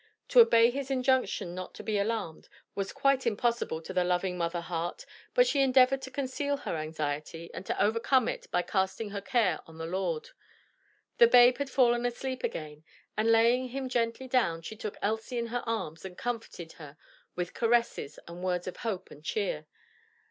To obey his injunction not to be alarmed, was quite impossible to the loving mother heart, but she endeavored to conceal her anxiety and to overcome it by casting her care on the Lord. The babe had fallen asleep again, and laying him gently down, she took Elsie in her arms and comforted her with caresses and words of hope and cheer.